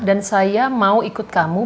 dan saya mau ikut kamu